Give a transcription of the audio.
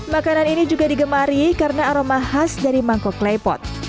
makanan ini juga digemari karena aroma khas dari mangkok klepot